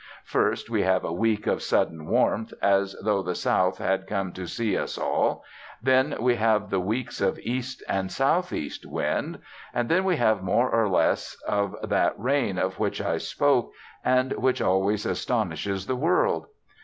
First we have a week of sudden warmth, as though the south had come to see us all; then we have the weeks of east and south east wind; and then we have more or less of that rain of which I spoke, and which always astonishes the world.